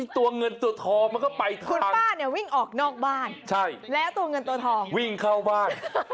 ตัวเงินทอจะไปทางตัวเงินโทลงง็ไปบ้าน